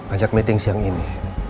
ajak meeting siang ini